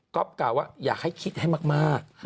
ก็กล่าวว่าอยากให้คิดให้มาก